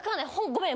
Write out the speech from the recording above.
ごめん。